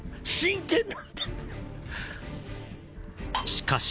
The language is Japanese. ［しかし］